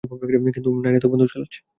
কিন্তু নায়না তো বন্দুক চালাচ্ছে।